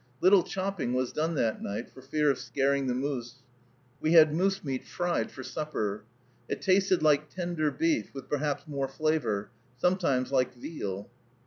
Little chopping was done that night, for fear of scaring the moose. We had moose meat fried for supper. It tasted like tender beef, with perhaps more flavor, sometimes like veal.